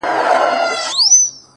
دا ستا د مستي ځوانۍ قدر كوم.!